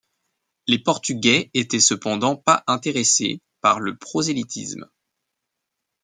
Les portugais étaient cependant pas intéressé par le prosélytisme.